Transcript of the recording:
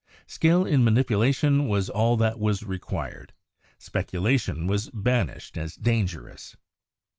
Skill in manipulation was all that was required ; speculation was banished as dangerous.